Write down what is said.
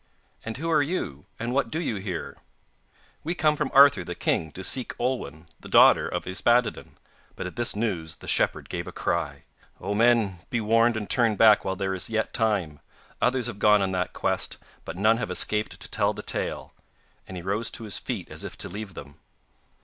And who are you, and what do you here?' 'We come from Arthur the king, to seek Olwen the daughter of Yspaddaden,' but at this news the shepherd gave a cry: 'O men, be warned and turn back while there is yet time. Others have gone on that quest, but none have escaped to tell the tale,' and he rose to his feet as if to leave them.